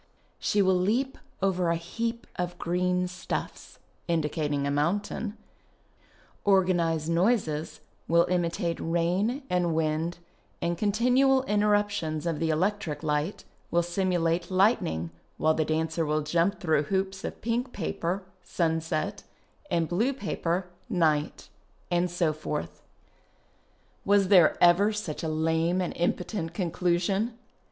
She will leap over a heap of green stuffs (indicating a mountain), " Organized noises " will imitate rain and wind and continual intcrrujitions of the electric light will simulate ligiitning, while the dancer will jump through hoops of pink paper (sunset) and blue paper (night). And so forth. Was there ever such a lame and impotent conclu sion